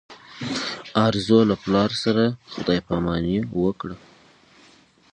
ارزو له پلار سره خدای په اماني وکړه.